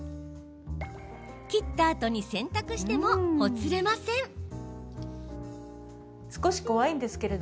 切ったあとに洗濯してもほつれません。